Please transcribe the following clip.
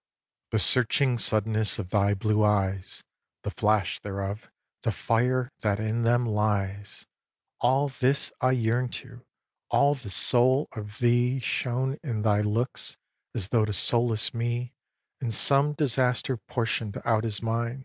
vii. The searching suddenness of thy blue eyes, The flash thereof, the fire that in them lies, All this I yearn to, all the soul of thee Shown in thy looks, as though to solace me In some disaster portion'd out as mine.